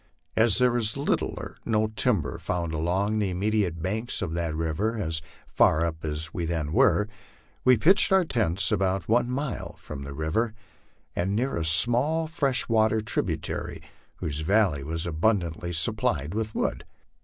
As there is little or no timber found along the immediate banks of that river as far up as we then were, we pitched our tents about one mile from the river, and near a small fresh water tributary whose valley was abundantly supplied with wood.